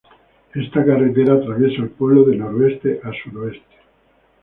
Esta carretera atraviesa el pueblo de noreste a suroeste.